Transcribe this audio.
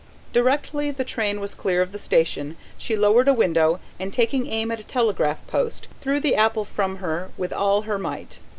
Directly the train was clear of the station, she lowered a window and, taking aim at a telegraph post, threw the apple from her with all her might.